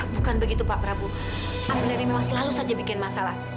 bukan begitu pak prabowo sebenarnya memang selalu saja bikin masalah